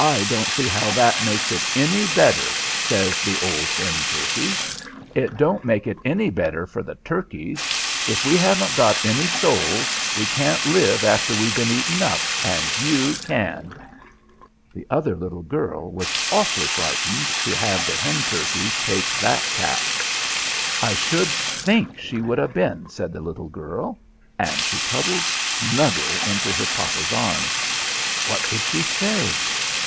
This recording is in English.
"I don't see how that makes it any better," says the old hen turkey. "It don't make it any better for the turkeys. If we haven't got any souls, we can't live after we've been eaten up, and you can." The other little girl was awfully frightened to have the hen turkey take that tack. "I should think she would 'a' been," said the little girl; and she cuddled snugger into her papa's arms. "What could she say?